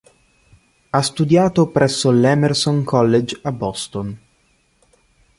Ha studiato presso l'Emerson College a Boston.